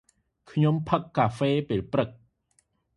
ខ្ញុំផឹកកាហ្វេពេលព្រឹក។